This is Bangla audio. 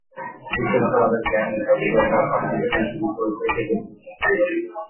সৃষ্টিকর্তা তাদের জ্ঞান, বিচার-বুদ্ধি, অনুভব—সবই দিয়েছেন, শুধু পরিচয় সেঁটে দিয়েছেন সাধারণের।